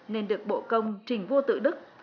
nên được bộ công trình vua tự đức